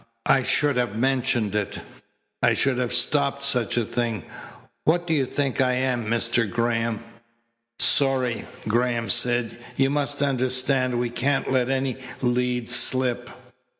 I should have mentioned it. I should have stopped such a thing. What do you think I am, Mr. Graham?" "Sorry," Graham said. "You must understand we can't let any lead slip.